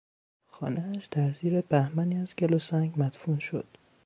خانهاش در زیر بهمنی از گل و سنگ مدفون شد.